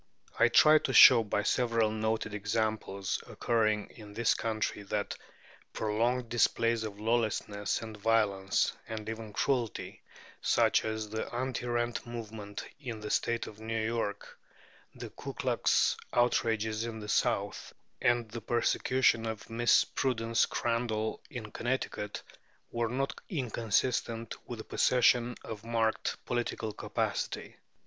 I tried to show by several noted examples occurring in this country that prolonged displays of lawlessness, and violence, and even cruelty, such as the anti rent movement in the State of New York, the Ku Klux outrages in the South, and the persecution of Miss Prudence Crandall in Connecticut, were not inconsistent with the possession of marked political capacity.